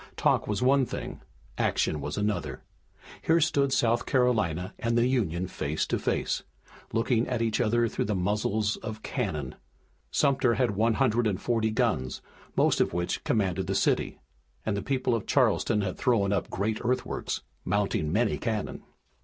Talk was one thing, action was another. Here stood South Carolina and the Union face to face, looking at each other through the muzzles of cannon. Sumter had one hundred and forty guns, most of which commanded the city, and the people of Charleston had thrown up great earthworks, mounting many cannon.